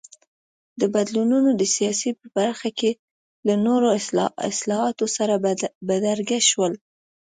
دا بدلونونه د سیاست په برخه کې له نورو اصلاحاتو سره بدرګه شول.